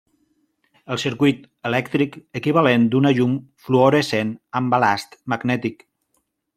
El circuit elèctric equivalent d'una llum fluorescent amb balast magnètic.